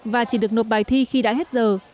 và chỉ được nộp bài thi khi đã hết giờ